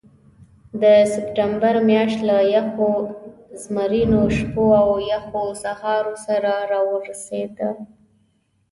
د سپټمبر میاشت له یخو زمرینو شپو او یخو سهارو سره راورسېده.